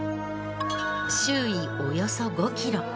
周囲およそ５キロ。